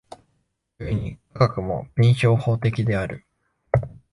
故に科学も弁証法的である。